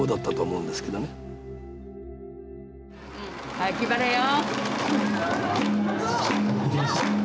はい気張れよ！